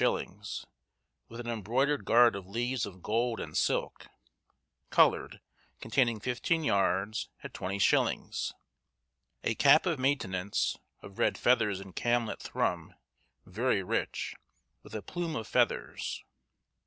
_, with an embroidered gard of leaves of gold, and silk, coloured, containing fifteen yards, at 20_s._ A cap of maintenance, of red feathers and camlet thrum, very rich, with a plume of feathers.